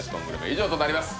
以上となります